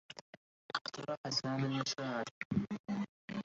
اقترح سامي المساعدة.